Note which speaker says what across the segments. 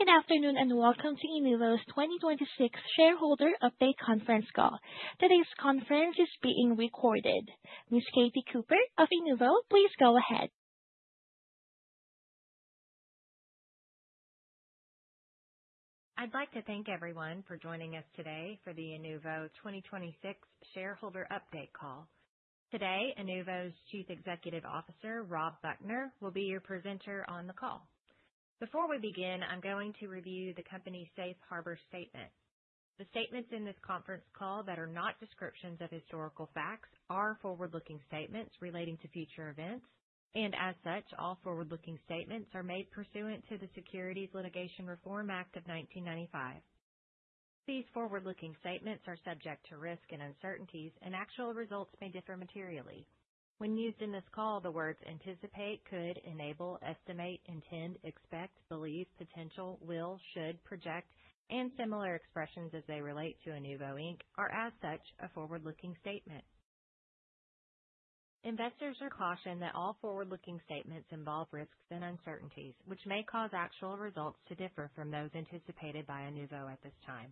Speaker 1: Good afternoon and welcome to Inuvo's 2026 shareholder update conference call. Today's conference is being recorded. Ms. Katie Cooper of Inuvo, please go ahead.
Speaker 2: I'd like to thank everyone for joining us today for the Inuvo 2026 shareholder update call. Today, Inuvo's Chief Executive Officer, Rob Buchner, will be your presenter on the call. Before we begin, I'm going to review the company's Safe Harbor Statement. The statements in this conference call that are not descriptions of historical facts are forward-looking statements relating to future events, and as such, all forward-looking statements are made pursuant to the Securities Litigation Reform Act of 1995. These forward-looking statements are subject to risk and uncertainties, and actual results may differ materially. When used in this call, the words anticipate, could, enable, estimate, intend, expect, believe, potential, will, should, project, and similar expressions as they relate to Inuvo, Inc. are as such a forward-looking statement. Investors are cautioned that all forward-looking statements involve risks and uncertainties, which may cause actual results to differ from those anticipated by Inuvo at this time.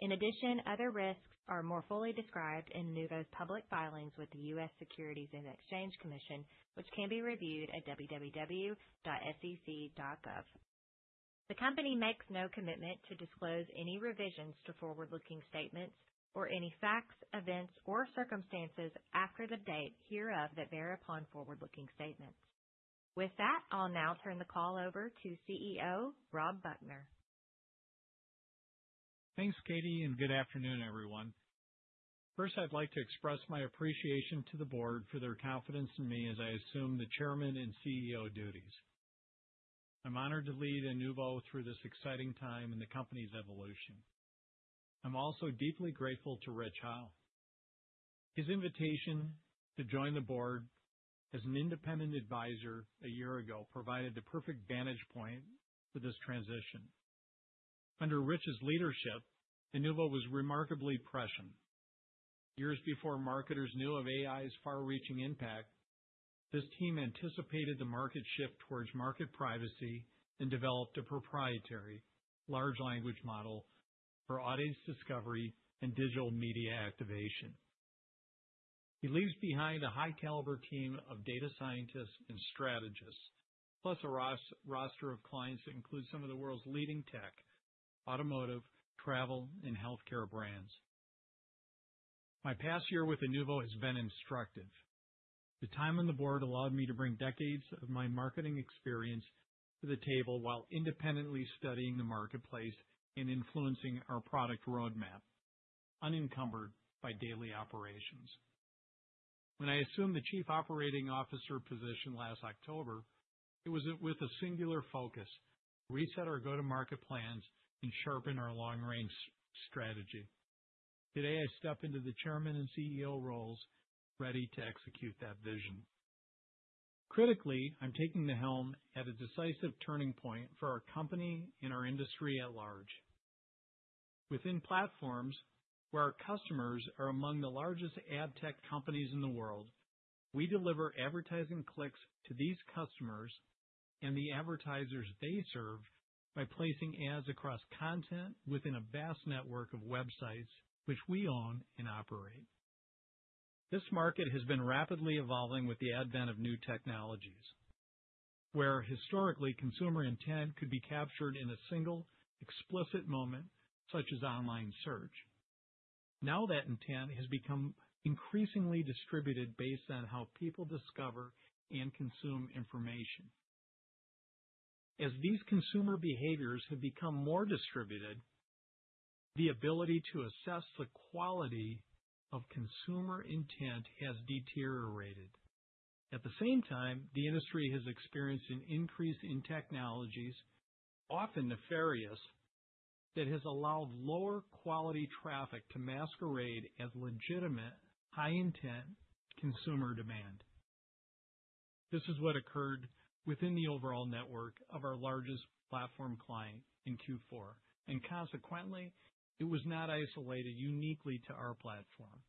Speaker 2: In addition, other risks are more fully described in Inuvo's public filings with the U.S. Securities and Exchange Commission, which can be reviewed at www.sec.gov. The company makes no commitment to disclose any revisions to forward-looking statements or any facts, events, or circumstances after the date hereof that bear upon forward-looking statements. With that, I'll now turn the call over to CEO, Rob Buchner.
Speaker 3: Thanks, Katie, and good afternoon, everyone. First, I'd like to express my appreciation to the board for their confidence in me as I assume the chairman and CEO duties. I'm honored to lead Inuvo through this exciting time in the company's evolution. I'm also deeply grateful to Rich Howe. His invitation to join the board as an independent advisor a year ago provided the perfect vantage point for this transition. Under Rich's leadership, Inuvo was remarkably prescient. Years before marketers knew of AI's far-reaching impact, this team anticipated the market shift towards market privacy and developed a proprietary large language model for audience discovery and digital media activation. He leaves behind a high-caliber team of data scientists and strategists, plus a roster of clients that includes some of the world's leading tech, automotive, travel, and healthcare brands. My past year with Inuvo has been instructive. The time on the board allowed me to bring decades of my marketing experience to the table while independently studying the marketplace and influencing our product roadmap, unencumbered by daily operations. When I assumed the Chief Operating Officer position last October, it was with a singular focus to reset our go-to-market plans and sharpen our long-range strategy. Today, I step into the Chairman and CEO roles, ready to execute that vision. Critically, I'm taking the helm at a decisive turning point for our company and our industry at large. Within platforms, where our customers are among the largest ad tech companies in the world, we deliver advertising clicks to these customers and the advertisers they serve by placing ads across content within a vast network of websites which we own and operate. This market has been rapidly evolving with the advent of new technologies, where historically, consumer intent could be captured in a single, explicit moment such as online search. Now that intent has become increasingly distributed based on how people discover and consume information. As these consumer behaviors have become more distributed, the ability to assess the quality of consumer intent has deteriorated. At the same time, the industry has experienced an increase in technologies, often nefarious, that has allowed lower-quality traffic to masquerade as legitimate, high-intent consumer demand. This is what occurred within the overall network of our largest platform client in Q4, and consequently, it was not isolated uniquely to our platform.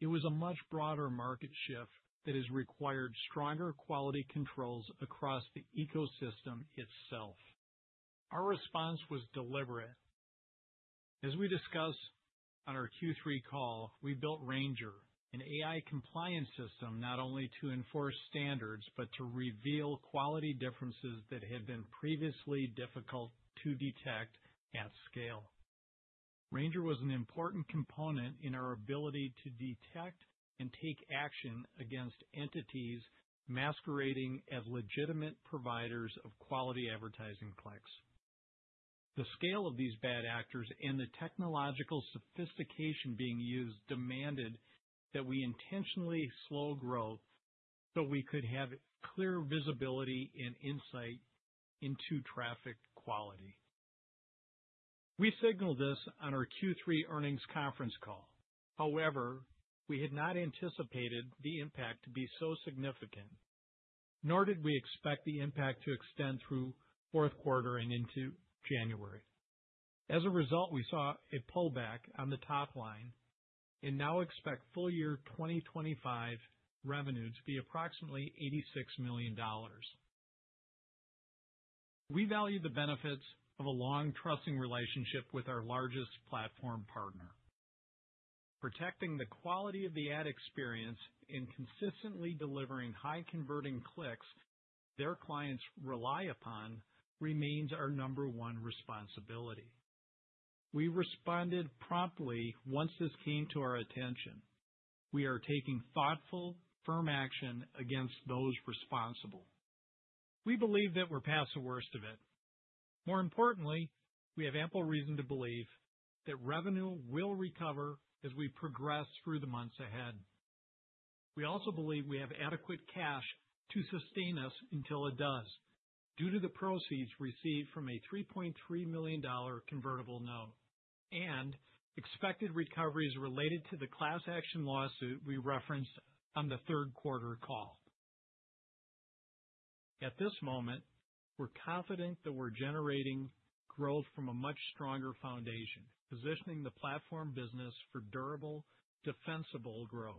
Speaker 3: It was a much broader market shift that has required stronger quality controls across the ecosystem itself. Our response was deliberate. As we discussed on our Q3 call, we built Ranger, an AI compliance system, not only to enforce standards but to reveal quality differences that had been previously difficult to detect at scale. Ranger was an important component in our ability to detect and take action against entities masquerading as legitimate providers of quality advertising clicks. The scale of these bad actors and the technological sophistication being used demanded that we intentionally slow growth so we could have clear visibility and insight into traffic quality. We signaled this on our Q3 earnings conference call. However, we had not anticipated the impact to be so significant, nor did we expect the impact to extend through fourth quarter and into January. As a result, we saw a pullback on the top line and now expect full-year 2025 revenues to be approximately $86 million. We value the benefits of a long, trusting relationship with our largest platform partner. Protecting the quality of the ad experience and consistently delivering high-converting clicks their clients rely upon remains our number one responsibility. We responded promptly once this came to our attention. We are taking thoughtful, firm action against those responsible. We believe that we're past the worst of it. More importantly, we have ample reason to believe that revenue will recover as we progress through the months ahead. We also believe we have adequate cash to sustain us until it does, due to the proceeds received from a $3.3 million convertible note and expected recoveries related to the class action lawsuit we referenced on the third quarter call. At this moment, we're confident that we're generating growth from a much stronger foundation, positioning the platform business for durable, defensible growth.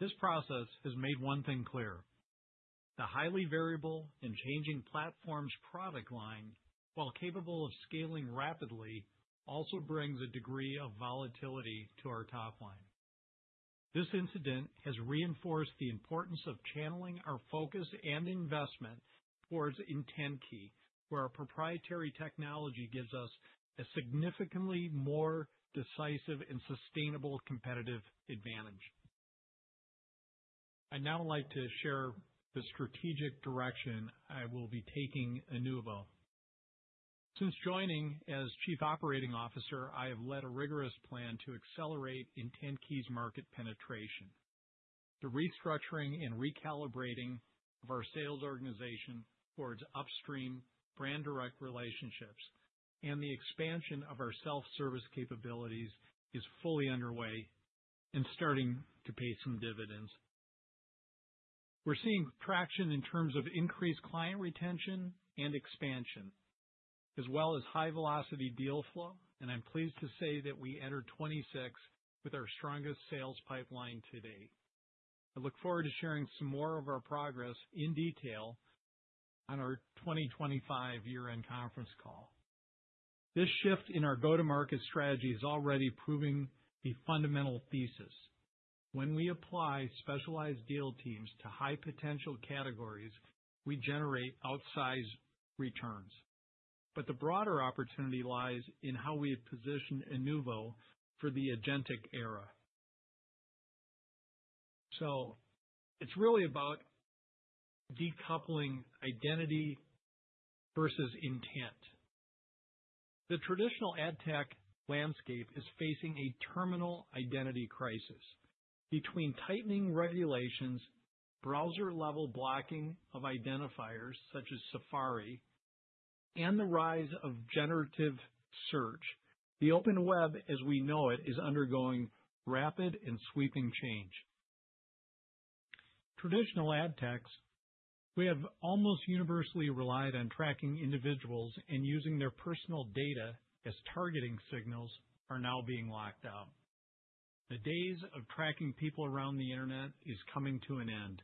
Speaker 3: This process has made one thing clear: the highly variable and changing platform's product line, while capable of scaling rapidly, also brings a degree of volatility to our top line. This incident has reinforced the importance of channeling our focus and investment towards IntentKey, where our proprietary technology gives us a significantly more decisive and sustainable competitive advantage. I'd now like to share the strategic direction I will be taking Inuvo. Since joining as Chief Operating Officer, I have led a rigorous plan to accelerate IntentKey's market penetration. The restructuring and recalibrating of our sales organization towards upstream brand direct relationships and the expansion of our self-service capabilities is fully underway and starting to pay some dividends. We're seeing traction in terms of increased client retention and expansion, as well as high-velocity deal flow, and I'm pleased to say that we enter 2026 with our strongest sales pipeline to date. I look forward to sharing some more of our progress in detail on our 2025 year-end conference call. This shift in our go-to-market strategy is already proving a fundamental thesis. When we apply specialized deal teams to high-potential categories, we generate outsized returns. But the broader opportunity lies in how we have positioned Inuvo for the agentic era. So it's really about decoupling identity versus intent. The traditional ad tech landscape is facing a terminal identity crisis. Between tightening regulations, browser-level blocking of identifiers such as Safari, and the rise of generative search, the open web, as we know it, is undergoing rapid and sweeping change. Traditional ad techs who have almost universally relied on tracking individuals and using their personal data as targeting signals are now being locked out. The days of tracking people around the internet are coming to an end.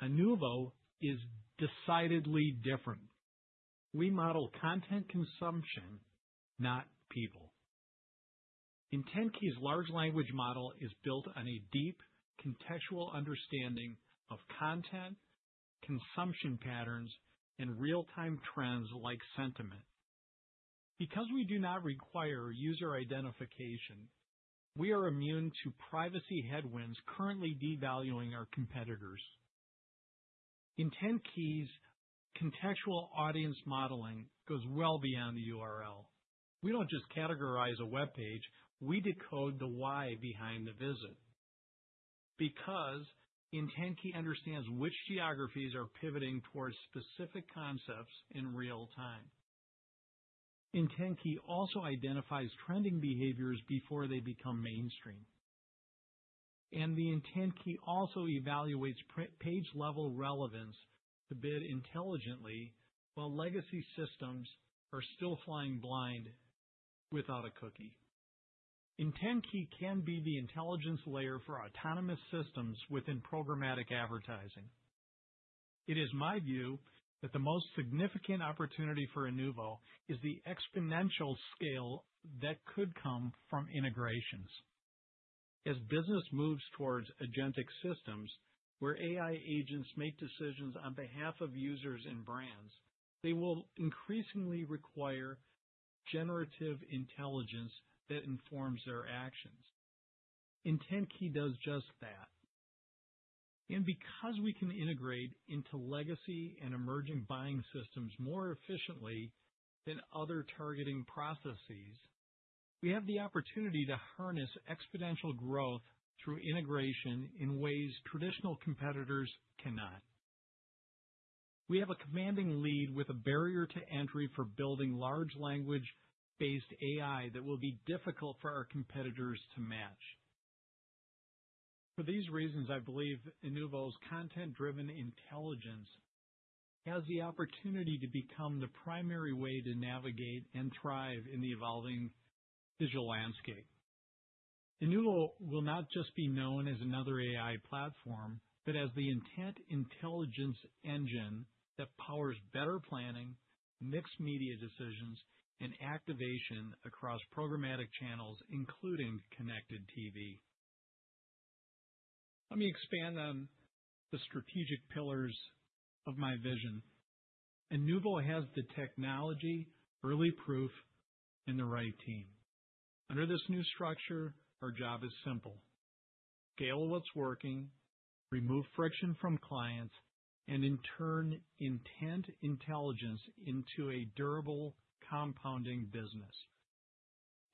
Speaker 3: Inuvo is decidedly different. We model content consumption, not people. IntentKey's large language model is built on a deep, contextual understanding of content, consumption patterns, and real-time trends like sentiment. Because we do not require user identification, we are immune to privacy headwinds currently devaluing our competitors. IntentKey's contextual audience modeling goes well beyond the URL. We don't just categorize a web page; we decode the why behind the visit. Because IntentKey understands which geographies are pivoting towards specific concepts in real time. IntentKey also identifies trending behaviors before they become mainstream. The IntentKey also evaluates page-level relevance to bid intelligently while legacy systems are still flying blind without a cookie. IntentKey can be the intelligence layer for autonomous systems within programmatic advertising. It is my view that the most significant opportunity for Inuvo is the exponential scale that could come from integrations. As business moves towards agentic systems, where AI agents make decisions on behalf of users and brands, they will increasingly require generative intelligence that informs their actions. IntentKey does just that. And because we can integrate into legacy and emerging buying systems more efficiently than other targeting processes, we have the opportunity to harness exponential growth through integration in ways traditional competitors cannot. We have a commanding lead with a barrier to entry for building large language-based AI that will be difficult for our competitors to match. For these reasons, I believe Inuvo's content-driven intelligence has the opportunity to become the primary way to navigate and thrive in the evolving digital landscape. Inuvo will not just be known as another AI platform, but as the intent intelligence engine that powers better planning, mixed media decisions, and activation across programmatic channels, including Connected TV. Let me expand on the strategic pillars of my vision. Inuvo has the technology, early proof, and the right team. Under this new structure, our job is simple: scale what's working, remove friction from clients, and in turn, intent intelligence into a durable, compounding business.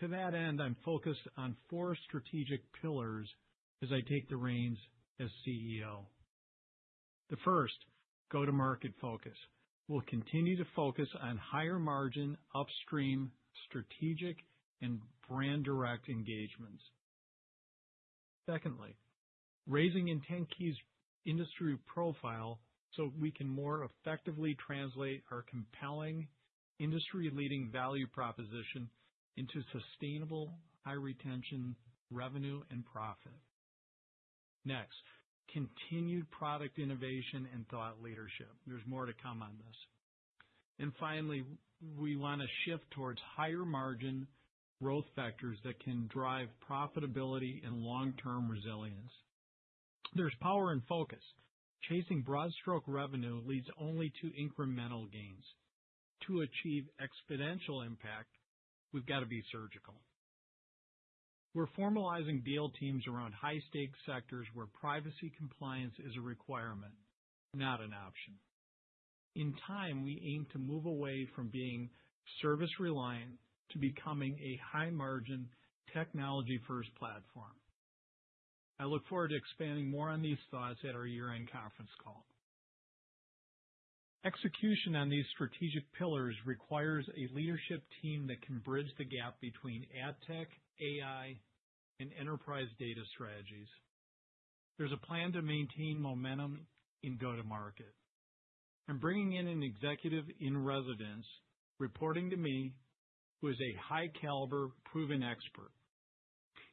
Speaker 3: To that end, I'm focused on four strategic pillars as I take the reins as CEO. The first, go-to-market focus, will continue to focus on higher margin, upstream, strategic, and brand direct engagements. Secondly, raising IntentKey's industry profile so we can more effectively translate our compelling, industry-leading value proposition into sustainable, high-retention revenue and profit. Next, continued product innovation and thought leadership. There's more to come on this. And finally, we want to shift towards higher margin growth factors that can drive profitability and long-term resilience. There's power and focus. Chasing broad-stroke revenue leads only to incremental gains. To achieve exponential impact, we've got to be surgical. We're formalizing deal teams around high-stakes sectors where privacy compliance is a requirement, not an option. In time, we aim to move away from being service-reliant to becoming a high-margin, technology-first platform. I look forward to expanding more on these thoughts at our year-end conference call. Execution on these strategic pillars requires a leadership team that can bridge the gap between ad tech, AI, and enterprise data strategies. There's a plan to maintain momentum in go-to-market. I'm bringing in an executive in residence reporting to me, who is a high-caliber, proven expert.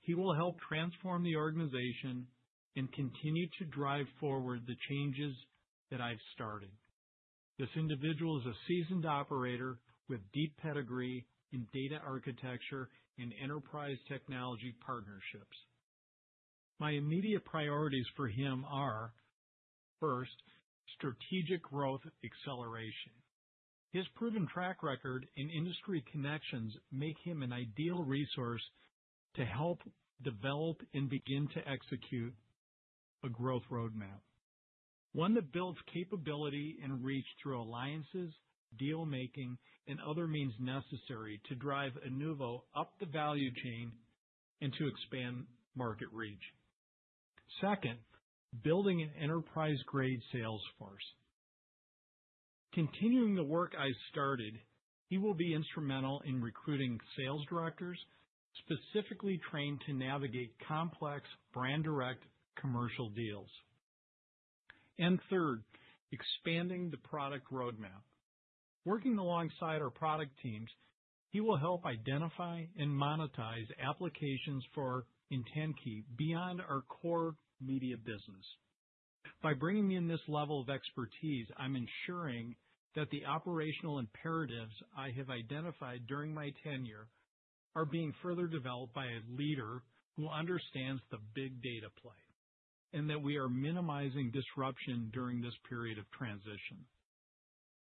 Speaker 3: He will help transform the organization and continue to drive forward the changes that I've started. This individual is a seasoned operator with deep pedigree in data architecture and enterprise technology partnerships. My immediate priorities for him are, first, strategic growth acceleration. His proven track record and industry connections make him an ideal resource to help develop and begin to execute a growth roadmap, one that builds capability and reach through alliances, deal-making, and other means necessary to drive Inuvo up the value chain and to expand market reach. Second, building an enterprise-grade sales force. Continuing the work I started, he will be instrumental in recruiting sales directors specifically trained to navigate complex brand direct commercial deals. And third, expanding the product roadmap. Working alongside our product teams, he will help identify and monetize applications for IntentKey beyond our core media business. By bringing in this level of expertise, I'm ensuring that the operational imperatives I have identified during my tenure are being further developed by a leader who understands the big data play and that we are minimizing disruption during this period of transition.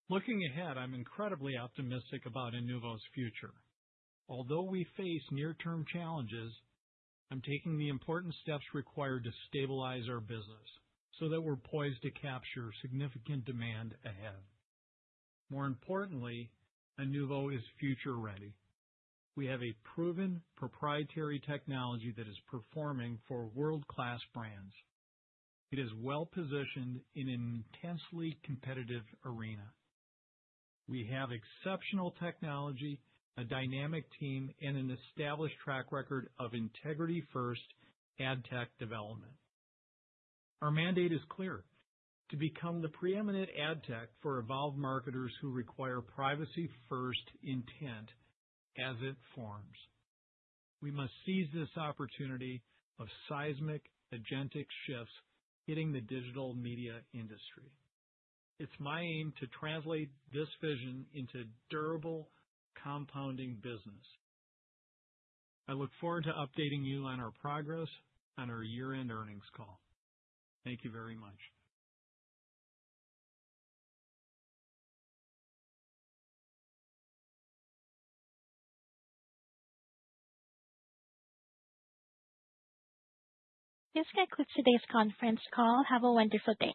Speaker 3: Looking ahead, I'm incredibly optimistic about Inuvo's future. Although we face near-term challenges, I'm taking the important steps required to stabilize our business so that we're poised to capture significant demand ahead. More importantly, Inuvo is future-ready. We have a proven, proprietary technology that is performing for world-class brands. It is well-positioned in an intensely competitive arena. We have exceptional technology, a dynamic team, and an established track record of integrity-first ad tech development. Our mandate is clear: to become the preeminent ad tech for evolved marketers who require privacy-first intent as it forms. We must seize this opportunity of seismic agentic shifts hitting the digital media industry. It's my aim to translate this vision into durable, compounding business. I look forward to updating you on our progress on our year-end earnings call. Thank you very much.
Speaker 1: This concludes today's conference call. Have a wonderful day.